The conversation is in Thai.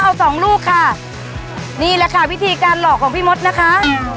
เอาสองลูกค่ะนี่แหละค่ะวิธีการหลอกของพี่มดนะคะ